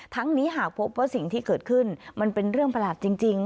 นี้หากพบว่าสิ่งที่เกิดขึ้นมันเป็นเรื่องประหลาดจริง